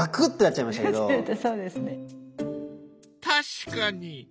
確かに！